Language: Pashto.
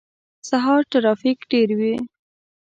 سهار ترافیک ډیر وی